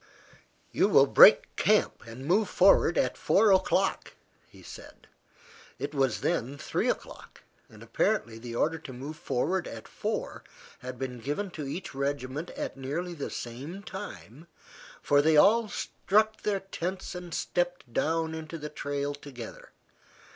"You will break camp and move forward at four o'clock," he said. It was then three o'clock, and apparently the order to move forward at four had been given to each regiment at nearly the same time, for they all struck their tents and stepped down into the trail together.